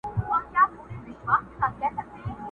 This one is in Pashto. o تر مزد ئې شکر دانه ډېره سوه٫